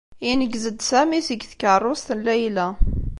Ineggez-d Sami seg tkeṛṛust n Layla.